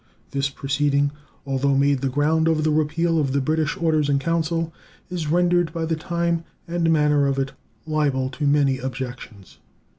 This proceeding, although made the ground of the repeal of the British orders in council, is rendered by the time and manner of it liable to many objections.